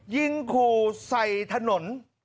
ยิงขู่ใส่ถนน